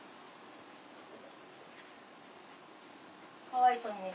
かわいそうに。